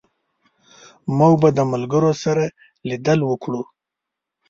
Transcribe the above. موږ به د ملګرو سره لیدل وکړو